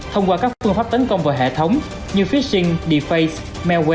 thông qua các phương pháp tấn công vào hệ thống như phishing deface malware